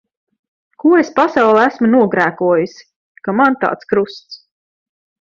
Ko es pasaulē esmu nogrēkojusi, ka man tāds krusts.